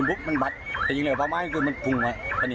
อืรือ